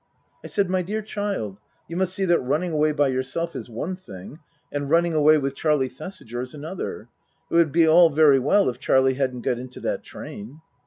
I said, " My dear child, you must see that running away by yourself is one thing, and running away with Charlie Thesiger is another. It would be all very well if Charlie hadn't got into that train."